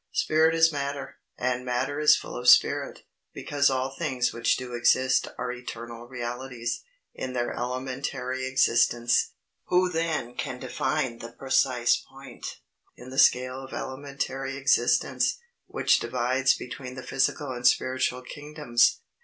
Spirit is matter, and matter is full of spirit. Because all things which do exist are eternal realities, in their elementary existence. Who then can define the precise point, in the scale of elementary existence, which divides between the physical and spiritual kingdoms?